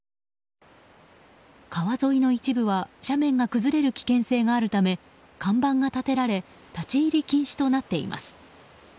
川沿いの一部は斜面が崩れる危険性があるため看板が立てられ立ち入り禁止となっています。